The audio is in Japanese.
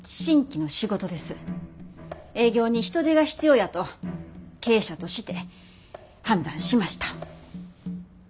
営業に人手が必要やと経営者として判断しました。